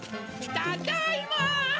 ただいま。